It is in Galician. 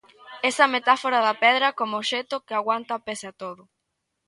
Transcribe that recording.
Esa metáfora da pedra como obxecto que aguanta pese a todo.